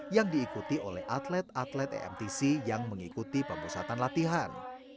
yang diikuti oleh atlet atlet emtc yang mengikuti pemusatan latihan